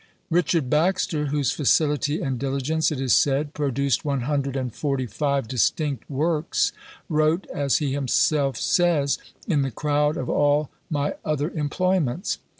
Richard Baxter, whose facility and diligence, it is said, produced one hundred and forty five distinct works, wrote, as he himself says, "in the crowd of all my other employments."